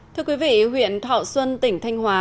thưa quý vị huyện thọ xuân tỉnh thanh hóa